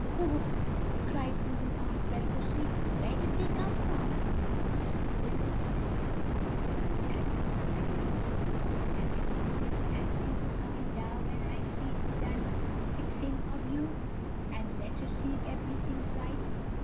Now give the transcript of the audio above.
"Oh," cried Lulu half breathlessly, "where did they come from?" "Miss Wilet sent 'em," returned Agnes, beginning her work; "an' she tole me to ax you to come in dar when I'se done fixin' ob you, an' let her see if eberyting's right.